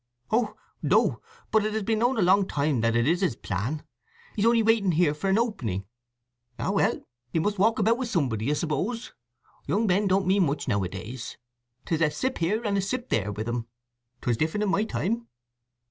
"Oh no! But it has been known a long time that it is his plan. He's on'y waiting here for an opening. Ah well: he must walk about with somebody, I s'pose. Young men don't mean much now a days. 'Tis a sip here and a sip there with 'em. 'Twas different in my time."